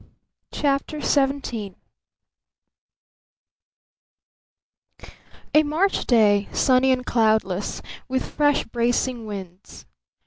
CHAPTER XVII A March day, sunny and cloudless, with fresh, bracing winds.